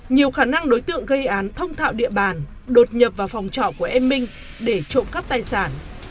nhiều khả năng đối tượng gây án thông thạo địa bàn đột nhập vào phòng trọ của em minh để trộm cắp tài sản